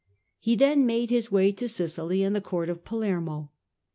He then made his way to Sicily and the Court of Palermo.